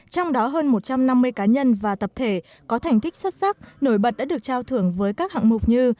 trong đó hơn một trăm năm mươi cá nhân và tập thể có thành tích xuất sắc nổi bật đã được trao thưởng với các hạng mục như